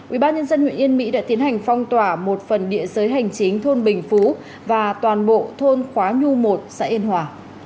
ubnd huyện yên mỹ đã tiến hành phong tỏa một phần địa giới hành chính thôn bình phú và toàn bộ thôn khóa nhu một xã yên hòa